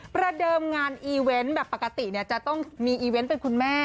ประเดิมงานอีเวนต์แบบปกติจะต้องมีอีเวนต์เป็นคุณแม่